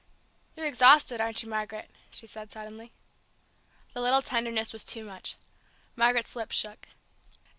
"You're exhausted, aren't you, Margaret?" she said suddenly. The little tenderness was too much. Margaret's lip shook.